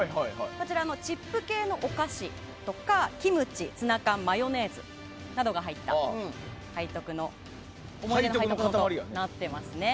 チップ系のお菓子とかキムチ、ツナ缶マヨネーズなどが入った思い出の背徳丼となっています。